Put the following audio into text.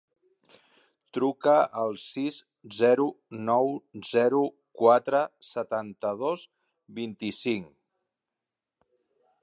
Truca al sis, zero, nou, zero, quatre, setanta-dos, vint-i-cinc.